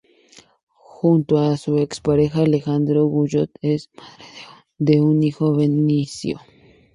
Junto a su ex pareja Alejandro Guyot, es madre de un hijo, Benicio.